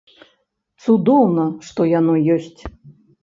Цудоўна, што яно ёсць.